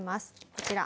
こちら。